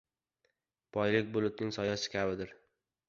• Boylik bulutning soyasi kabidir.